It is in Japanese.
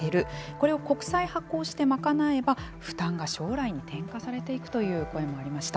これを国債発行して賄えば負担が将来に転嫁されていくという声もありました。